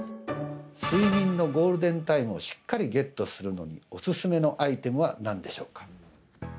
睡眠のゴールデンタイムをしっかりゲットするのにおすすめのアイテムは何でしょうか。